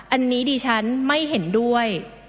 อันนี้ดิฉันไม่เห็นด้วย